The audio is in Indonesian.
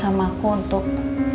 sama aku untuk